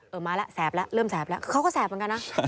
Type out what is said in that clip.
มาแล้วแสบแล้วเริ่มแสบแล้วคือเขาก็แสบเหมือนกันนะ